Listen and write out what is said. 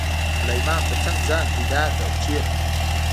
• د ملا امام تر څنګ ځای پیدا کړه او کښېنه.